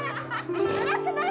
見づらくない？